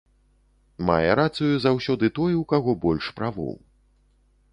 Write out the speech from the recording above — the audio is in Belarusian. Мае рацыю заўсёды той, у каго больш правоў.